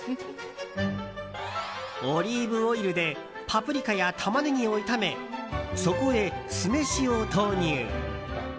オリーブオイルでパプリカやタマネギを炒めそこへ、酢飯を投入。